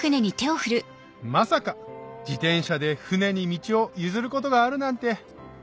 まさか自転車で船に道を譲ることがあるなんて！